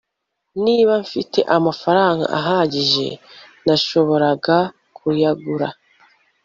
niba mfite amafaranga ahagije, nashoboraga kuyagura